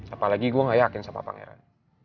apalagi gue gak yakin sama pangeran